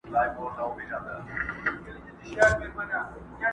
o بابا دي خداى وبخښي، مگر شنې مي ملا راماته کړه٫